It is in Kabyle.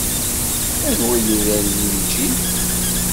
Anwa yuran Linǧil?